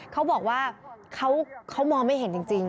เขาบอกว่าเขามองไม่เห็นจริง